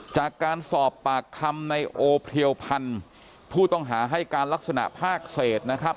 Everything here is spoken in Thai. จากการสอบปากคำในโอเพรียวพันธ์ผู้ต้องหาให้การลักษณะภาคเศษนะครับ